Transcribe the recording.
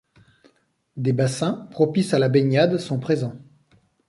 Des bassins propices à la baignade sont présents.